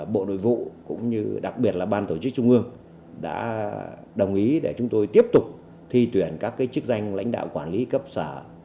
bộ nội vụ cũng như đặc biệt là ban tổ chức trung ương đã đồng ý để chúng tôi tiếp tục thi tuyển các chức danh lãnh đạo quản lý cấp sở